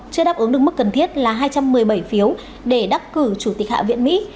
chưa đáp ứng được mức cần thiết là hai trăm một mươi bảy phiếu để đắc cử chủ tịch hạ viện mỹ